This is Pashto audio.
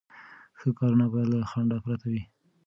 ښه کارونه باید له خنډ پرته وي.